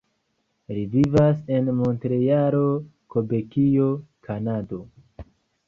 Li vivas en Montrealo, Kebekio, Kanado.